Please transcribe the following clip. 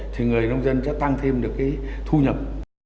thì người nông dân sẽ tăng thêm được cái thu nhập